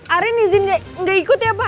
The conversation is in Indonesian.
arin izin nggak ikut ya pak